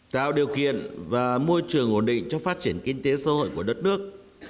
tạo điều kiện và môi trường ổn định cho phát triển kinh tế xã hội của đất nước